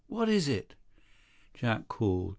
What is it?" Jack called.